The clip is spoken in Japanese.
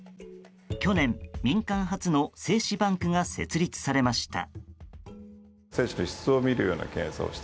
去年、民間初の精子バンクが設立されました。